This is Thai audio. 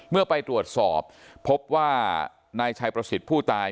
เมื่อไปตรวจสอบพบว่านายชัยประสิทธิ์ผู้ตาย